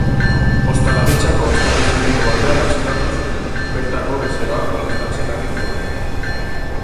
Ostalaritzako establezimendu batean atxilotu zuten, bertako bezeroak molestatzen ari ondoren.